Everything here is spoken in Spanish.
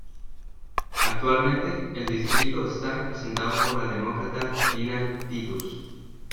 Actualmente el distrito está representado por la Demócrata Dina Titus.